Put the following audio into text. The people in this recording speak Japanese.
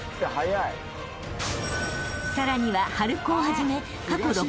［さらには春高をはじめ］